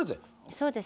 そうです。